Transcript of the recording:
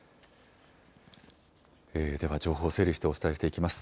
では情報を整理してお伝えしていきます。